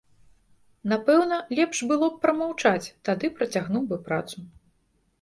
Напэўна, лепш было б прамаўчаць, тады працягнуў бы працу.